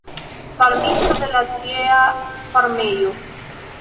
Farmisto de la tiea farmejo.